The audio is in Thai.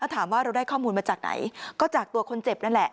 ถามว่าเราได้ข้อมูลมาจากไหนก็จากตัวคนเจ็บนั่นแหละ